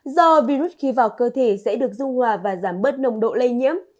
do virus khi vào cơ thể sẽ được dung hòa và giảm bớt nồng độ lây nhiễm